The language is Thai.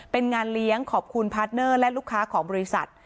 เป็นงานเลี้ยงขอบคุณพาร์ทเนอร์และลูกค้าของบริษัท